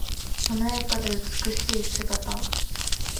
華やかで美しい姿。